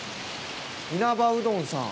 因幡うどんさん。